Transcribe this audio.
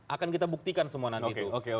akan kita buktikan semua nanti itu